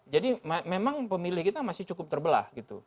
jadi memang pemilih kita masih cukup terbelah gitu